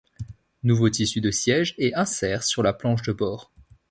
Nouveaux tissus de sièges et inserts sur la planche de bord.